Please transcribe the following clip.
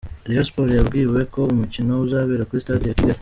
Rayon Sports yabwiwe ko umukino uzabera kuri stade ya Kigali.